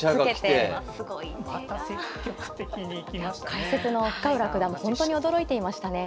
解説の深浦九段もほんとに驚いていましたね。